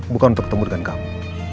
bukan untuk tumbuh dengan kamu